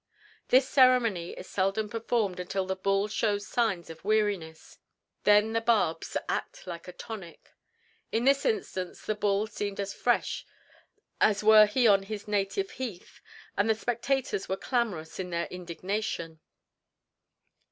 This ceremony is seldom performed until the bull shows signs of weariness; then the barbs act like a tonic. In this instance the bull seemed as fresh as were he on his native heath, and the spectators were clamorous in their indignation.